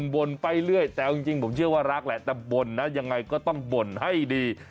บ่นไปเรื่อยแต่เอาจริงผมเชื่อว่ารักแหละแต่บ่นนะยังไงก็ต้องบ่นให้ดี